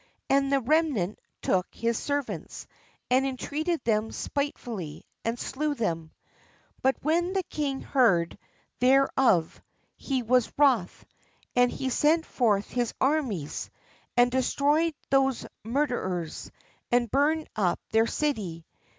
And the remnant took his servants, and entreated them spite fully, and slew them. But when the king heard 41 thereof, he was wroth: and he sent forth his armies, and destroyed those mur derers, and burned up their city.